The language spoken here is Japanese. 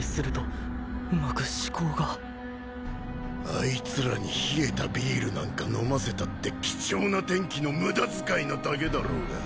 あいつらに冷えたビールなんか飲ませたって貴重な電気の無駄遣いなだけだろうが。